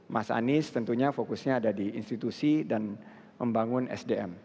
mas anies tentunya fokusnya ada di institusi dan membangun sdm